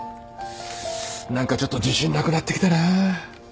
何かちょっと自信なくなってきたな。